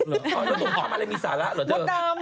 หนูเล่าทำมาเลยมีศาละหรอเจอ